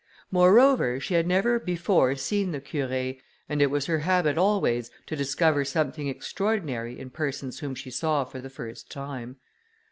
Moreover, she had never before seen the Curé, and it was her habit always to discover something extraordinary in persons whom she saw for the first time.